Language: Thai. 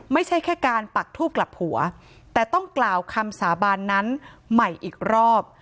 ไม่ใช่แค่การปักทูบกลับหัวแต่ต้องกล่าวคำสาบานนั้นใหม่อีกรอบ